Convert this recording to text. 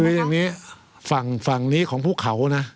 คืออย่างนี้ฝั่งนี้ของพวกเขานะ